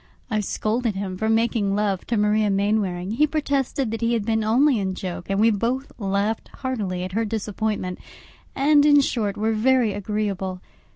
I scolded him for making love to Maria Mainwaring; he protested that he had been only in joke, and we both laughed heartily at her disappointment; and, in short, were very agreeable.